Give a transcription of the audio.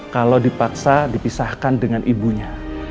kalau dipaksa dipisahkan dengan ibunya